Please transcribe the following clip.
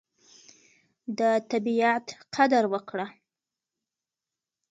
د طبیعت قدر وکړه.